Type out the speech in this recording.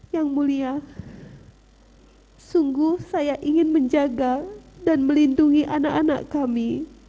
yang mulia sungguh saya ingin menjaga dan melindungi anak anak kami